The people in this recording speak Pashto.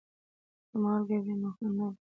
که مالګه وي نو خوند نه ورکیږي.